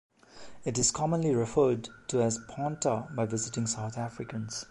It is commonly referred to as 'Ponta' by visiting South Africans.